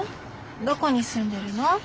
どこに住んでるの？